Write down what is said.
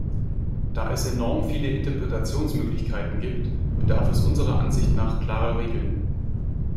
Da es enorm viele Interpretationsmöglichkeiten gibt, bedarf es unserer Ansicht nach klarer Regeln.